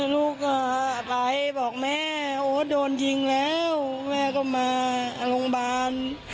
ลูกก็ไลฟ์บอกแม่โอ๊ตโดนยิงแล้วแม่ก็มาโรงพยาบาล